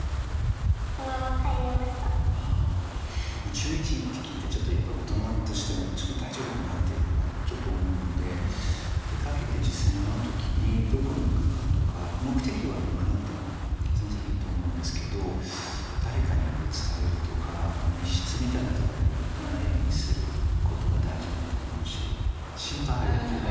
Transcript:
中１って聞いてやっぱり大人として大丈夫かなってちょっと思うので出かけて実際に会う時にどこに行くかとか目的は言わなくても全然いいと思うんですけど誰かにやっぱり伝えるとか密室みたいなところには行かないようにすることが大事だと思うし心配心配。